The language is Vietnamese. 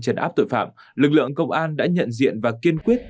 chấn áp tội phạm lực lượng công an đã nhận diện và kiên quyết